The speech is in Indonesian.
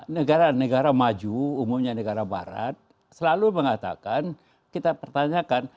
negara negara maju umumnya negara barat selalu mengatakan kita pertanyakan